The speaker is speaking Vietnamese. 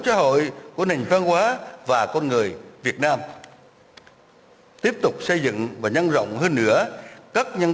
xã hội của nền văn hóa và con người việt nam tiếp tục xây dựng và nhân rộng hơn nữa các nhân